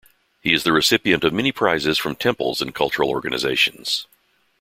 He is the recipient of many prizes from temples and cultural organisations.